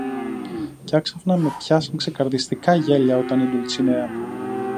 κι άξαφνα με πιάσαν ξεκαρδιστικά γέλια όταν η Ντουλτσινέα